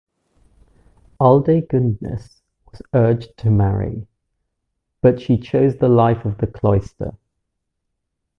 Aldegundis was urged to marry, but she chose the life of the cloister.